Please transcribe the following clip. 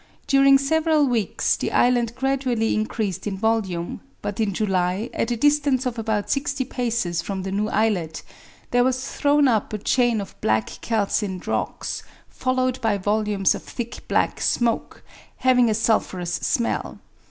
During several weeks the island gradually increased in volume; but in July, at a distance of about sixty paces from the new islet, there was thrown up a chain of black calcined rocks, followed by volumes of thick black smoke, having a sulphurous smell.